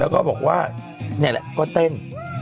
แล้วก็บอกว่านี่แหละก็เต้น